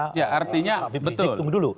habib rizik tunggu dulu